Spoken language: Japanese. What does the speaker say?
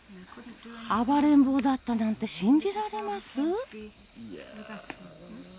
暴れん坊だったなんて信じられます？